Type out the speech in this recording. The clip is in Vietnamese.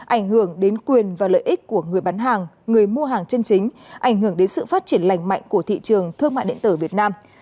ảnh hưởng đến quyền và lợi ích của người bán hàng người mua hàng chân chính ảnh hưởng đến sự phát triển lành mạnh của thị trường thương mại điện tử việt nam